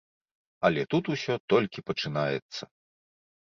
Але тут усё толькі пачынаецца.